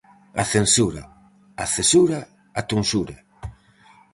A censura, a cesura, a tonsura.